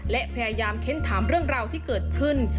และพยายามเค้นถามเรื่องราวที่เกิดขึ้น